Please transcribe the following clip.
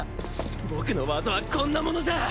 僕の技はこんなものじゃ。